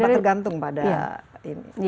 atau tergantung pada ini